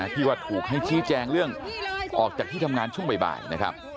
ที่ว่าถูกให้ชี้แจงเรื่องออกจากที่ทำงานช่วงบ่ายนะครับ